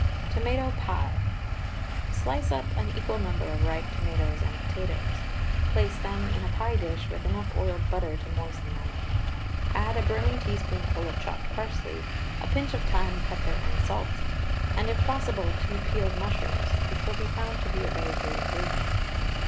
TOMATO PIE. Slice up an equal number of ripe tomatoes and potatoes. Place them in a pie dish with enough oiled butter to moisten them. Add a brimming teaspoonful of chopped parsley, a pinch of thyme, pepper, and salts and, if possible, a few peeled mushrooms, which will be found to be a very great improvement.